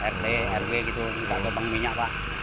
rt rw gitu tidak gomong minyak pak